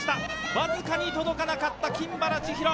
わずかに届かなかった、金原千尋。